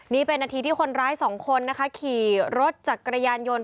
นี่เป็นนาทีที่คนร้ายสองคนนะคะขี่รถจักรยานยนต์